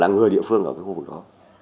người địa phương ở khu vực đó